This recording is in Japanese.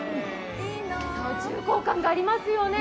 重厚感がありますよね。